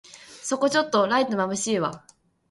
そこちょっとライトまぶしいわ